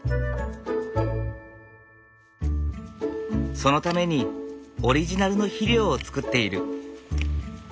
そのためにオリジナルの肥料を作っている。